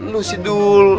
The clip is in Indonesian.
lu si dul